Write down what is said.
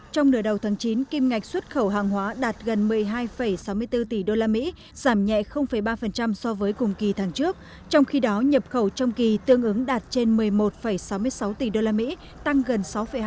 trong nửa đầu tháng chín kim ngạch xuất khẩu hàng hóa đạt gần một mươi hai sáu mươi bốn tỷ usd giảm nhẹ ba so với cùng kỳ tháng trước trong khi đó nhập khẩu trong kỳ tương ứng đạt trên một mươi một sáu mươi sáu tỷ usd tăng gần sáu hai